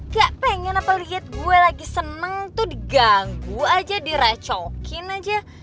gak pengen apa liat gue lagi seneng tuh diganggu aja direcokin aja